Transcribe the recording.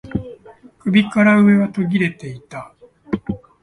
首から上は途切れていた